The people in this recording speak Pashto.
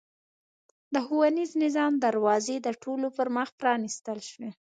د ښوونیز نظام دروازې د ټولو پرمخ پرانېستل شوې.